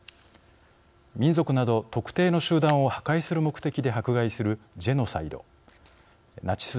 民族など特定の集団を破壊する目的で迫害するジェノサイドナチス